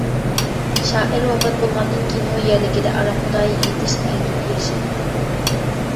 شائىر ۋاپات بولغاندىن كېيىنمۇ يەرلىكىدە ئارامخۇدا يېتىش ئەركىگە ئېرىشەلمىدى.